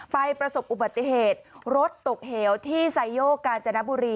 ประสบอุบัติเหตุรถตกเหวที่ไซโยกกาญจนบุรี